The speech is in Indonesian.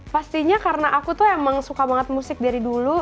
pastinya karena aku tuh emang suka banget musik dari dulu